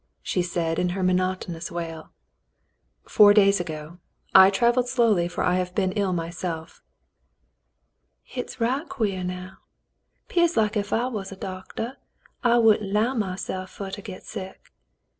" she said, in her monotonous wail. "Four days ago. I travelled slowly, for I have been ill myself.'' "Hit's right quare now; 'pears like ef I was a doctah I wouldn't 'low myself fer to get sick.